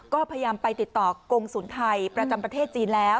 ก็พยายามไปติดต่อกงศูนย์ไทยประจำประเทศจีนแล้ว